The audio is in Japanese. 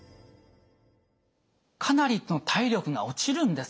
かなり体力が落ちるんですね。